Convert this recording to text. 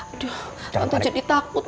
aduh tante jadi takut